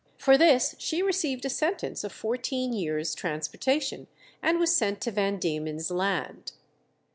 For this she received a sentence of fourteen years' transportation, and was sent to Van Diemen's Land.